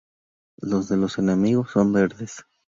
Los de los enemigos son verdes.